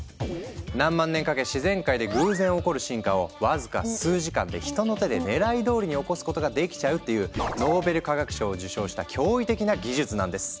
何万年かけ自然界で偶然起こる進化をわずか数時間で人の手で狙い通りに起こすことができちゃうっていうノーベル化学賞を受賞した驚異的な技術なんです。